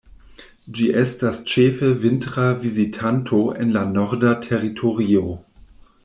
Ĝi estas ĉefe vintra vizitanto en la Norda Teritorio.